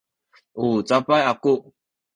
u cabay aku